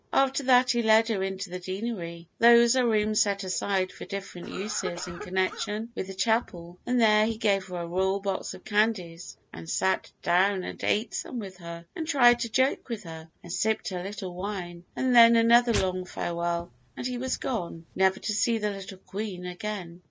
After that he led her into the deanery those are rooms set aside for different uses in connection with the chapel and there he gave her a royal box of candies, and sat down and ate some with her, and tried to joke with her, and sipped a little wine, and then another long farewell, and he was gone, never to see the little Queen again."